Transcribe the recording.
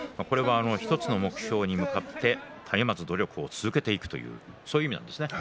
１つの目標に向けてたゆまぬ努力を続けていくという言葉なんですね。